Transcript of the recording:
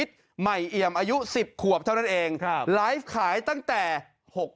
นี่นะครับน้ำที่เราขายนะครับ